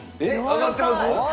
上がってます？